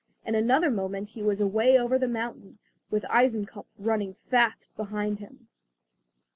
In another moment he was away over the mountain, with Eisenkopf running fast behind him.